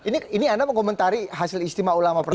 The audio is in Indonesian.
nah ini anda mengkomentari hasil istimewa ulama pertama